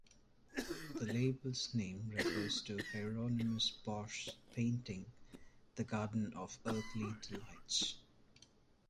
The label's name refers to Hieronymous Bosch's painting The Garden of Earthly Delights.